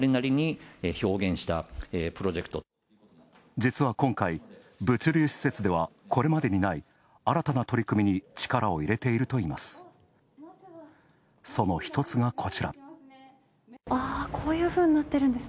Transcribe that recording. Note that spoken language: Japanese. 実は今回、物流施設ではこれまでにない新たな取り組みに力を入れているといいます。